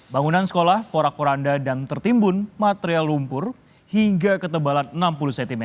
bangunan sekolah porak poranda dan tertimbun material lumpur hingga ketebalan enam puluh cm